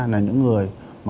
là những người